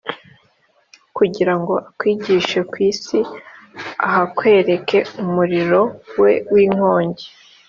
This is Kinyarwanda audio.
kugira ngo akwigishe, ku isi ahakwerekera umuriro we w’inkongi